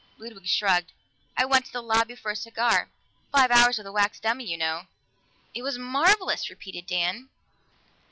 Ludwig shrugged. "I went to the lobby for a cigar. Five hours with a wax dummy, you know!" "It was marvelous!" repeated Dan.